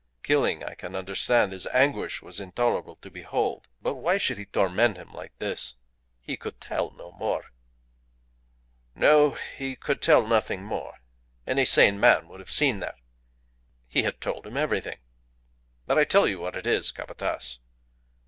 Killing I can understand. His anguish was intolerable to behold. But why should he torment him like this? He could tell no more." "No; he could tell nothing more. Any sane man would have seen that. He had told him everything. But I tell you what it is, Capataz.